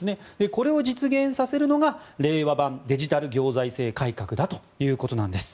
これを実現させるのが令和版デジタル行財政改革だということです。